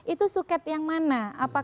itu suket yang mana